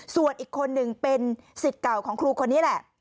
ส่วนอีกคนหนึ่งเป็นสิทธิ์เก่าของครูคนนี้แหละ